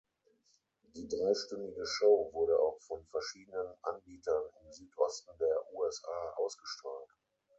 Die dreistündige Show wurde auch von verschiedenen Anbietern im Südosten der USA ausgestrahlt.